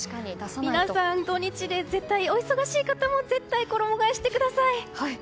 皆さん土日でお忙しい方も絶対、衣替えしてください。